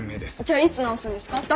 じゃあいつ直すんですか？